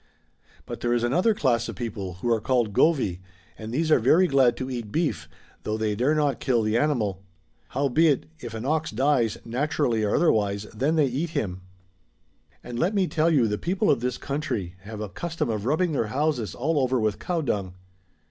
But there is another class of people who are called Govy^ and these are very glad to eat beef, though they dare not kill the animal. Howbeit if an ox dies, naturally or otherwise, then they eat him.'° 2/8 MARCO rOLO. Book III. And let me tell you, the people of this country have a custom of rubbing their houses all over with cow dung."